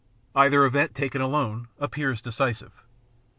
Either event, taken alone, appears decisive.